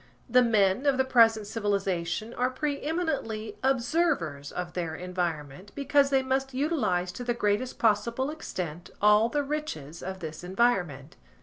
The men of the present civilisation are pre eminently observers of their environment because they must utilise to the greatest possible extent all the riches of this environment.